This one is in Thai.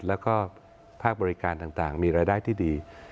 แล้วก็ภาคบริการต่างมีรายได้ที่ดี